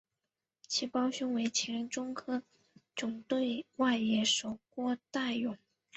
其胞兄为前中信鲸队外野手郭岱咏。